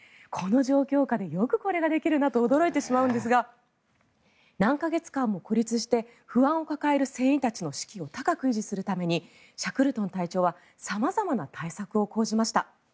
この状況下でよくこれができるなと驚いてしまうんですが何か月間も孤立して不安を抱える船員たちの士気を高く維持するためにシャクルトン隊長は様々な対策を講じました。